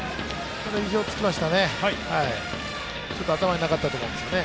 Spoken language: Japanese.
意表を突きましたね。